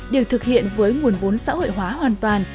được thực hiện với nguồn vốn xã hội hóa hoàn toàn